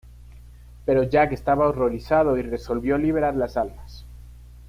Pero Jack estaba horrorizado y resolvió liberar las almas.